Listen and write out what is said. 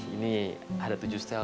ini ada tujuh setel